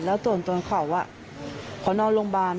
แล้วตัวตัวเขาขอนอนลงบาน